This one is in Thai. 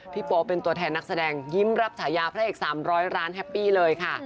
โป๊เป็นตัวแทนนักแสดงยิ้มรับฉายาพระเอก๓๐๐ร้านแฮปปี้เลยค่ะ